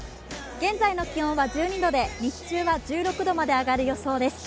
現在の気温は１２度で、日中は１６度まで上がる予想です。